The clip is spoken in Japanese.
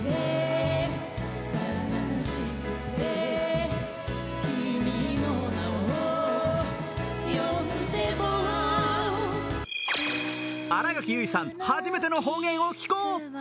新垣結衣さん、初めての方言を聞こう！